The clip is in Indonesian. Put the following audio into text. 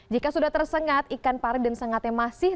jika sudah tersengat ikan pari dan sengatnya masih